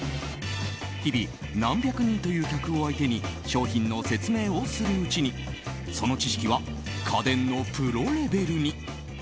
日々、何百人という客を相手に商品の説明をするうちにその知識は家電のプロレベルに。